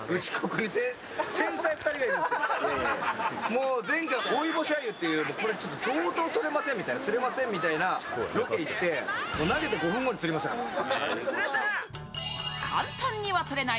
もう前回、おい星鮎っていう、相当取れません釣れませんみたいなロケ行って、投げて５分後に釣れましたからね。